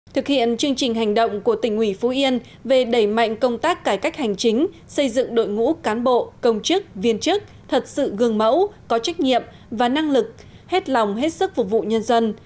thực hiện chương trình hành động của tỉnh ủy phú yên về đẩy mạnh công tác cải cách hành chính xây dựng đội ngũ cán bộ công chức viên chức thật sự gương mẫu có trách nhiệm và năng lực hết lòng hết sức phục vụ nhân dân